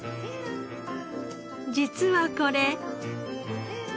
実はこれ。